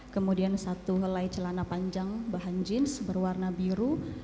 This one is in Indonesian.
kemudian satu helai celana panjang bahan jeans berwarna biru